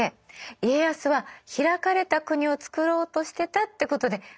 家康は開かれた国をつくろうとしてたってことで間違いないでしょうか？